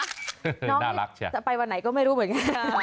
น้องน่ารักจะไปวันไหนก็ไม่รู้เหมือนกัน